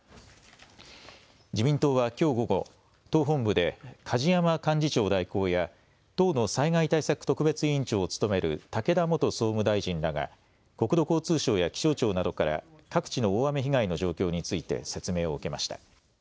自民党はきょう午後、党本部で梶山幹事長代行や党の災害対策特別委員長を務める武田元総務大臣らが国土交通省や気象庁などから各地の大雨被害の状況について説明を受けました。